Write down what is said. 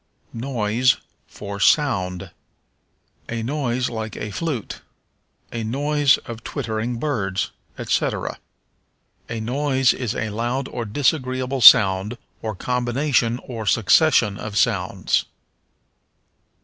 Noise for Sound. "A noise like a flute"; "a noise of twittering birds," etc. A noise is a loud or disagreeable sound, or combination or succession of sounds.